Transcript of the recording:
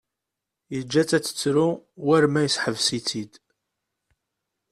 Yeǧǧa-tt ad tettru war ma yesseḥbes-itt-id.